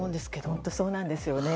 本当にそうなんですよね。